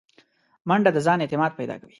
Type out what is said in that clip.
منډه د ځان اعتماد پیدا کوي